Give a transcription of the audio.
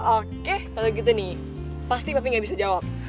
oke kalau gitu nih pasti papi gak bisa jawab